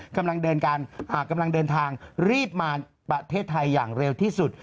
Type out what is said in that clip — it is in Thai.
กำลังเดินทางรีบมาประเทศไทยอย่างเร็วที่สุด